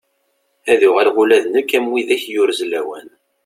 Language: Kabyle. Ad uɣaleɣ ula d nekki am widak yurez lawan.